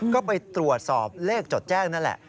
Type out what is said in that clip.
ก็ไปตรวจสอบเลขจดแจ้งนั่นแหละ